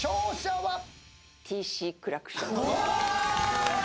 ＴＣクラクションさん。